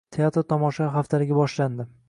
Teatr tomoshalari haftaligi boshlandi